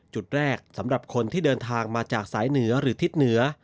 จุดแรกสำหรับคนที่เดินทางมาจากสายเหนือหรือทิศเหนือ